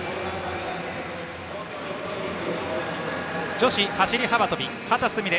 女子走り幅跳び、秦澄美鈴